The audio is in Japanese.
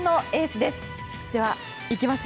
では、いきますよ。